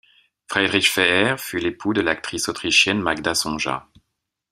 Friedrich Fehér fut l'époux de l'actrice autrichienne Magda Sonja.